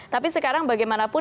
tapi sekarang bagaimanapun